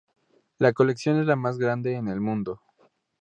La colección es la más grande en el mundo.